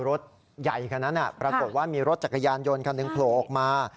ปรากฏว่ามีรถจักรยานโยนครั้งหนึ่งโผล่ออกมาปรากฏว่ามีรถจักรยานโยนครั้งหนึ่งโผล่ออกมา